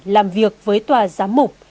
làm việc với tòa giám mục